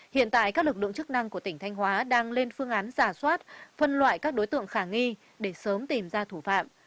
hiện tại các lực lượng chức năng của tỉnh thanh hóa đang lên phương án giả soát phân loại các đối tượng khả nghi để sớm tìm ra thủ phạm